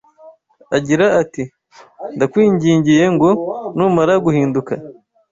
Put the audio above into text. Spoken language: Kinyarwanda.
agira ati: Ndakwingingiye ngo numara guhinduka